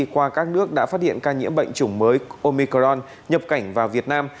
qua các nước đã phát hiện ca nhiễm bệnh chủng mới omicron nhập cảnh vào việt nam